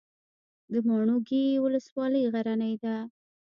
د ماڼوګي ولسوالۍ غرنۍ ده